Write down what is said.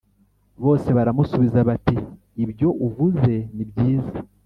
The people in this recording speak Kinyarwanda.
bose baramusubiza bati Ibyo uvuze ni byiza